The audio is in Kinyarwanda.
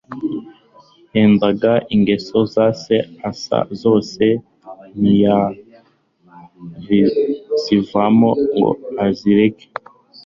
yagendanaga ingeso za se Asa zose ntiyazivamo ngo azireke